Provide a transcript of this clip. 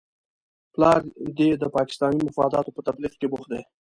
پلار دې د پاکستاني مفاداتو په تبلیغ کې بوخت دی؟